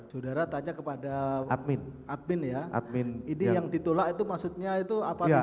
saudara tanya kepada admin ya ini yang ditolak itu maksudnya itu apa